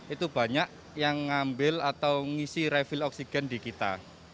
itu banyak yang ngambil atau ngisi refill oksigen di kita